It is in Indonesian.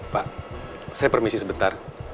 pak saya permisi sebentar